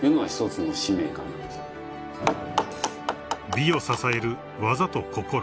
［美を支える技と心］